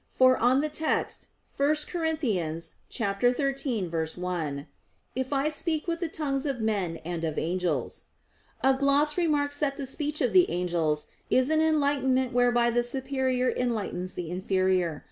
For on the text (1 Cor. 13:1), "If I speak with the tongues of men and of angels," a gloss remarks that the speech of the angels is an enlightenment whereby the superior enlightens the inferior.